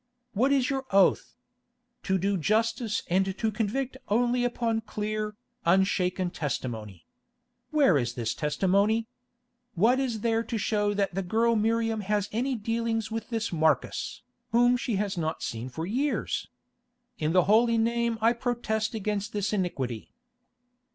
What is your oath? To do justice and to convict only upon clear, unshaken testimony. Where is this testimony? What is there to show that the girl Miriam had any dealings with this Marcus, whom she had not seen for years? In the Holy Name I protest against this iniquity."